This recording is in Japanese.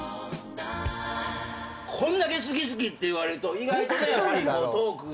こんだけ好き好きって言われると意外とねトークしづらいよね。